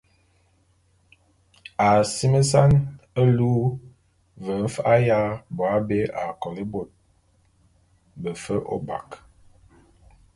A asimesan e luu ve mfa’a y abo abé a kolé fe bôt befe ôbak.